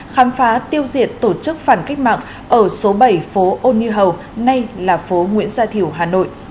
khám phá tiêu diệt tổ chức phản cách mạng ở số bảy phố ô nhi hầu nay là phố nguyễn gia thiểu hà nội